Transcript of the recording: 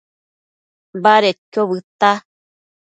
Badedquio bëdta